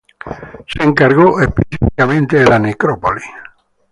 Se encargó específicamente de la necrópolis.